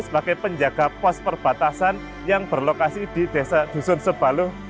sebagai penjaga pos perbatasan yang berlokasi di desa dusun sebalu